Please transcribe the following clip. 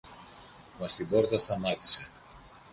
Μα στην πόρτα σταμάτησε.